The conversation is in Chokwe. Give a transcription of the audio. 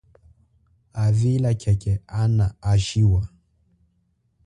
Avila khekhe ana a shiwa.